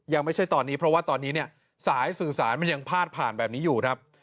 ยังไม่ใช่ตอนนี้เพราะว่าตอนนี้เนี่ยสายสื่อสารมันยังพาดผ่านแบบนี้อยู่ครับ